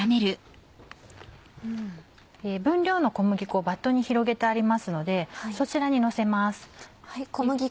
分量の小麦粉をバットに広げてありますのでそちらにのせます。